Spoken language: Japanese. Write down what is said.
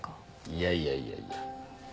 いやいやいやいや。